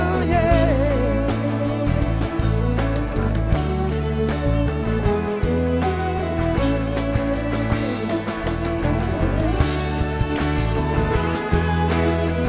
kujantikan aku ada